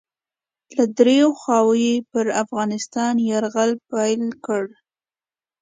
له دریو خواوو یې پر افغانستان یرغل پیل کړ.